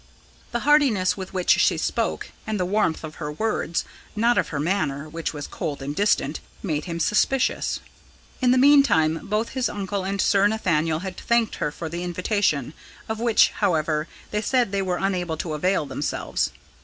The heartiness with which she spoke, and the warmth of her words not of her manner, which was cold and distant made him suspicious. In the meantime both his uncle and Sir Nathaniel had thanked her for the invitation of which, however, they said they were unable to avail themselves.